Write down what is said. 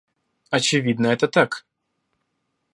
Очевидно это так